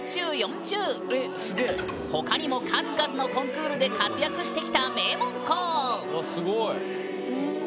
ほかにも数々のコンクールで活躍してきた名門校わっすごい！